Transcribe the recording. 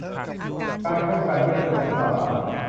การคบกันด้วยคุณสมบัติต่าง